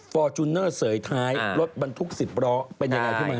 ฟอร์จูนเนอร์เสยท้ายรถบันทุกข์สิบล้อเป็นอย่างไรใช่ไหม